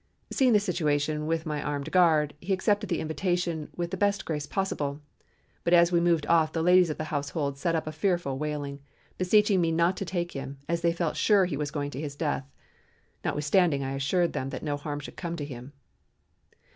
Seeing the situation with my armed guard, he accepted the invitation with the best grace possible, but as we moved off the ladies of the household set up a fearful wailing, beseeching me not to take him, as they felt sure he was going to his death, notwithstanding I assured them that no harm should come to him.